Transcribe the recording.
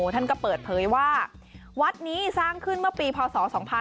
ท่านก็เปิดเผยว่าวัดนี้สร้างขึ้นเมื่อปีพศ๒๕๕๘